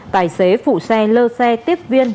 tài xế phụ xe lơ xe tiếp viên